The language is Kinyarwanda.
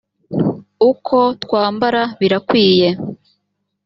uko twambara birakwiye